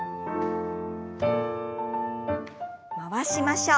回しましょう。